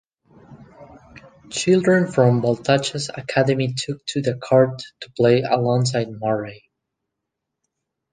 Children from Baltacha's academy took to the court to play alongside Murray.